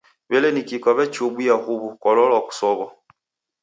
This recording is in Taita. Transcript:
W'ele niki kwaw'echiobua huw'u? Kwalolwa kusow'o?